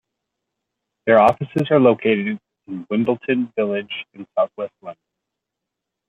Their offices are located in Wimbledon Village in southwest London.